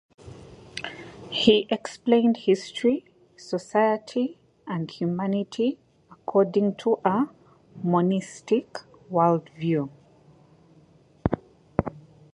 He explained history, society and humanity according to a monistic worldview.